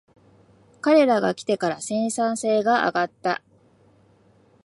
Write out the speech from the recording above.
彼らが来てから生産性が上がった